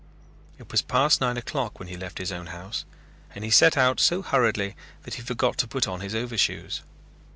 It was past nine o'clock when he left his own house and he set out so hurriedly that he forgot to put on his overshoes.